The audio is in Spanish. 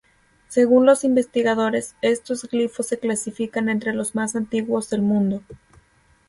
Según los investigadores, estos glifos se clasifican entre los más antiguos del mundo.